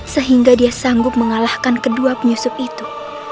sehingga dia sanggup mengalahkan kedua penyusup itu